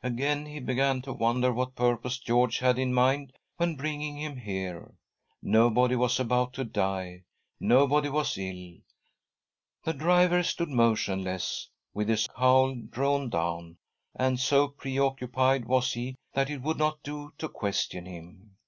Again he began to wonder what purpose George had in mind when bringing him here. Nobody was about to die — nobody was ill. The driver stood motionless, with his cowl drawn down, and so preoccupied was he that it would not do to question him.